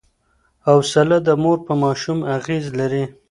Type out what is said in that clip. حوصله د مور په ماشوم اغېز لري.